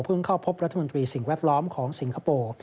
เข้าพบรัฐมนตรีสิ่งแวดล้อมของสิงคโปร์